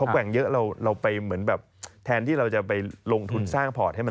กลายไปซื้อมามันผิดจังหวะ